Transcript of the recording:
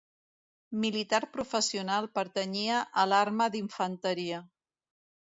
Militar professional, pertanyia a l'arma d'infanteria.